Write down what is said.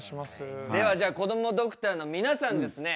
ではじゃこどもドクターの皆さんですね